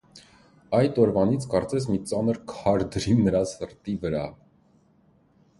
Այդ օրվանից կարծես մի ծանր քար դրին նրա սրտի վերա: